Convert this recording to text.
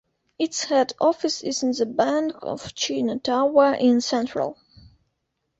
Its head office is in the Bank of China Tower in Central.